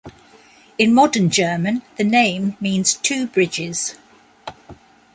In modern German the name means two-bridges.